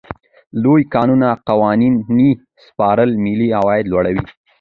د لویو کانونو قانوني سپارل ملي عاید لوړوي.